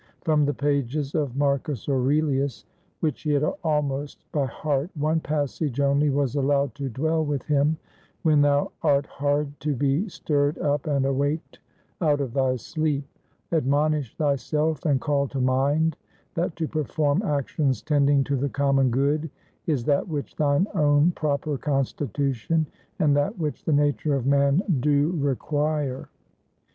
From the pages of Marcus Aurelius, which he had almost by heart, one passage only was allowed to dwell with him: "When thou art hard to be stirred up and awaked out of thy sleep, admonish thyself and call to mind that to perform actions tending to the common good is that which thine own proper constitution, and that which the nature of man, do require."